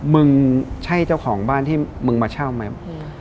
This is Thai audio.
มึงใช่เจ้าของบ้านที่มึงมาเช่าไหม